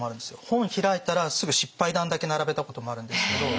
本開いたらすぐ失敗談だけ並べたこともあるんですけど。